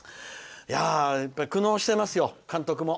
苦悩してますよ、監督も。